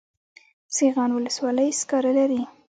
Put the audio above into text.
سیغان ولسوالۍ سکاره لري؟